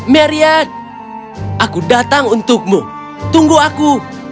maria aku datang untukmu tunggu aku